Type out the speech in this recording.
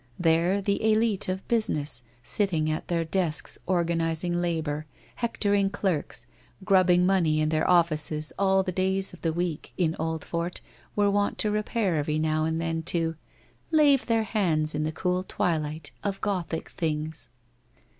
There the elite of business, sitting at their desks organiz ing labour, hectoring clerks, grubbing money in their offices all the days of the week in Oldfort were wont to repair every now and then to ' lave their hands in the cool twilight of Gothic things.'